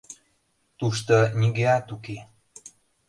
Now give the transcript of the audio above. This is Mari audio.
Тушто нигӧат уке.